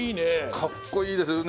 かっこいいですよね。